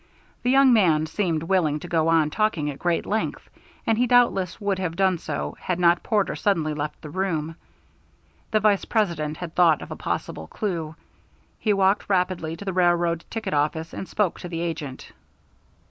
The young man seemed willing to go on talking at great length, and he doubtless would have done so had not Porter suddenly left the room. The Vice President had thought of a possible clew. He walked rapidly to the railroad ticket office and spoke to the agent.